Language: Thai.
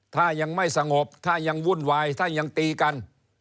ถ้ายังไม่สงบถ้ายังวุ่นวายถ้ายังตีกัน